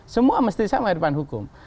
semua mesti sama di depan hukum